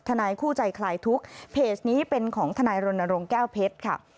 นายคู่ใจคลายทุกข์เพจนี้เป็นของทนายรณรงค์แก้วเพชรค่ะ